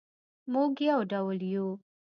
مونږ یو ډول یو